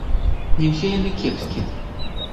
Не ўсе яны кепскія.